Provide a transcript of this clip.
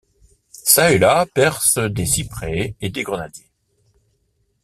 Çà et là percent des cyprès et des grenadiers.